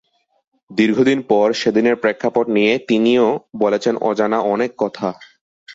দীর্ঘদিন পর সেদিনের প্রেক্ষাপট নিয়ে তিনিও বলেছেন অজানা অনেক কথা।